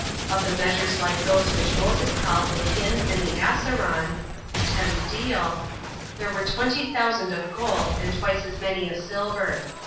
Of the measures like those which Moses called the Hin and the Assaron, [a tenth deal,] there were twenty thousand of gold, and twice as many of silver.